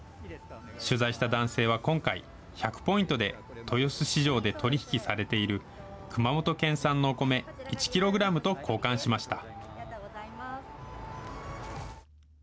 取材した男性は今回、１００ポイントで豊洲市場で取り引きされている熊本県産のお米１キログラムと交換しました。